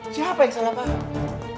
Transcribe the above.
siapa yang salah paham